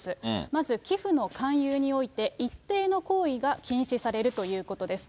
まず寄付の勧誘において、一定の行為が禁止されるということです。